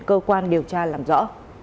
cơ quan điều tra làm rõ